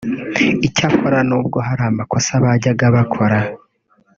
Icyakora n’ubwo hari amakosa bajyaga bakora